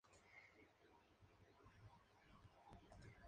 En sus primeros días se mostró crítico con el gobierno de Antonio Maura.